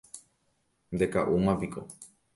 Ndeka'úmapiko